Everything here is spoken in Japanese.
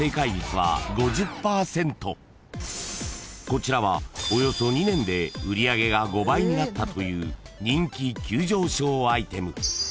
［こちらはおよそ２年で売り上げが５倍になったという人気急上昇アイテム］